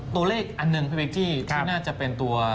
อันหนึ่งพี่เป๊กกี้ที่น่าจะเป็นตัว